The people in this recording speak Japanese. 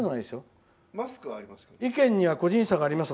マスクはあります。